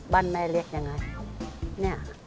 บันแม่เรียกอย่างไรนี่